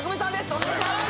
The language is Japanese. お願いします！